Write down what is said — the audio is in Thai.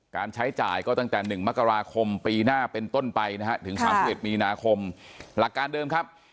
การใช้จ่ายก็ตั้งแต่หนึ่งมกราคมปีหน้าเป็นต้นไปนะฮะถึงสามสิบเอ็ดมีนาคมหลักการเดิมครับ